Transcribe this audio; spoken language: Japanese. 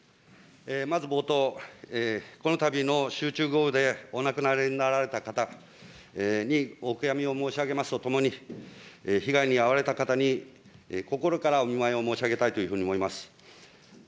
まず冒頭、このたびの集中豪雨でお亡くなりになられた方にお悔やみを申し上げますとともに、被害に遭われた方に心からお見舞いを申し上げたいというふうに思います。